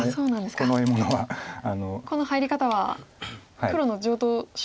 この入り方は黒の常とう手段。